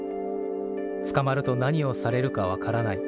捕まると何をされるか分からない。